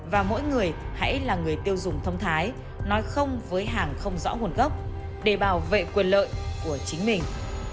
và mỗi người hãy là người tiêu dùng thông thái nói không với hàng không rõ nguồn gốc để bảo vệ quyền lợi của chính mình